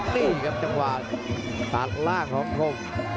นี่ครับจังหวะตัดล่างของคม